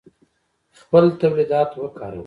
خپل تولیدات وکاروئ